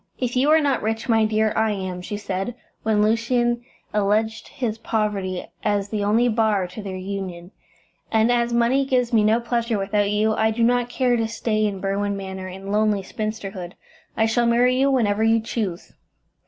"If you are not rich, my dear, I am," she said, when Lucian alleged his poverty as the only bar to their union, "and as money gives me no pleasure without you, I do not care to stay in Berwin Manor in lonely spinsterhood. I shall marry you whenever you choose."